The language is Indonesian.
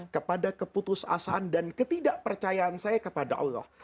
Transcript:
kepada keputus asaan dan ketidakpercayaan saya kepada allah